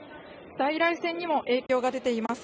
在来線にも影響が出ています。